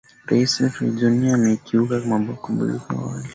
rais rajorina amekiuka makumbaliano ya awali